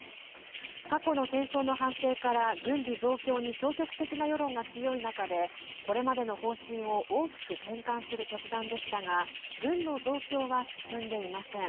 過去の戦争の反省から軍備増強に消極的な世論が強い中でこれまでの方針を大きく転換する決断でしたが軍の増強は進んでいません。